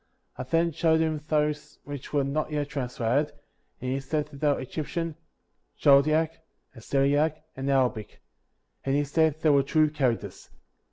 I then . showed him those which were not yet translated, and he said that they were Egyptian, Chaldaic, Assyriac, and Arabic; and he said they were true characters.